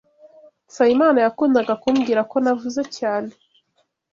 Nsabimana yakundaga kumbwira ko navuze cyane.